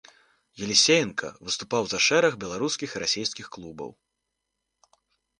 Елісеенка выступаў за шэраг беларускіх і расійскіх клубаў.